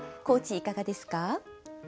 コーチいかがですか？